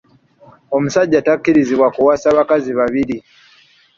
Omusajja takkirizibwa kuwasa bakazi babiri.